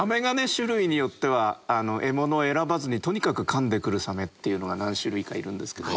種類によっては獲物を選ばずにとにかく噛んでくるサメっていうのが何種類かいるんですけど。